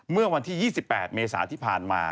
เมื่อวันที่๒๘เมษาที่ผ่านมา